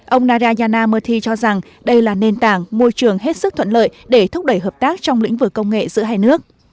ông nadayna mothi cho rằng đây là nền tảng môi trường hết sức thuận lợi để thúc đẩy hợp tác trong lĩnh vực công nghệ giữa hai nước